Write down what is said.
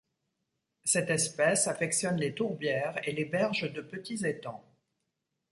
Cette espèce affectionne les tourbières et les berges de petits étangs.